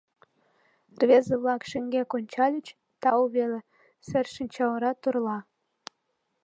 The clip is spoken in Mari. Рвезе-влак шеҥгек ончальыч — тау веле, сер шинчаора торла.